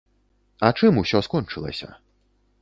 А чым усё скончылася?